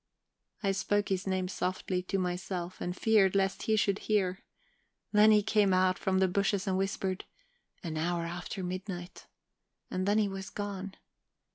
I spoke his name softly to myself, and feared lest he should hear. Then he came out from the bushes and whispered: 'An hour after midnight!' And then he was gone.